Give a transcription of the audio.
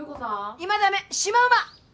今ダメシマウマ！